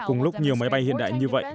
cùng lúc nhiều máy bay hiện đại như vậy